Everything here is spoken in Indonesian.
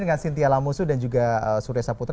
dengan sinti alamusu dan juga suresa putra